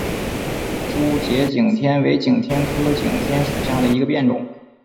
珠节景天为景天科景天属下的一个变种。